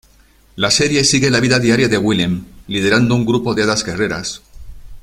La serie sigue la vida diaria de Willem liderando un grupo de hadas guerreras.